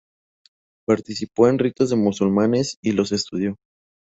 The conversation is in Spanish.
Participó en ritos de musulmanes y los estudió.